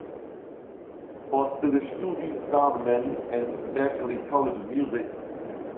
Poste li ŝtudis saman en "Berkelee College of Music".